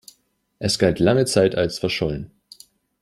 Es galt lange Zeit als verschollen.